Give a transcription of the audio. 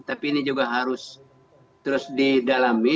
tapi ini juga harus terus didalami